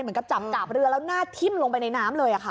เหมือนกับจับกาบเรือแล้วหน้าทิ้มลงไปในน้ำเลยค่ะ